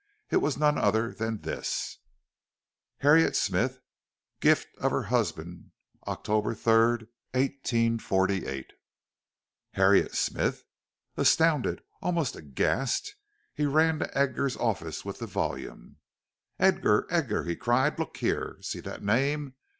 It was no other than this: HARRIET SMITH Gift of her husband October 3rd 1848 Harriet Smith! Astounded, almost aghast, he ran to Edgar's office with the volume. "Edgar! Edgar!" he cried; "look here! See that name!